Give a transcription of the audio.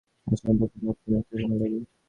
এই বটিকা প্রস্তুত করিতে তিন রাত্রি সময় রাগে।